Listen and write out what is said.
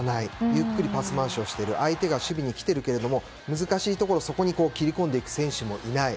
ゆっくりパス回しをしている相手が守備をしていたけれども難しいところに押し込んで、そこに切り込んでいく選手もいない。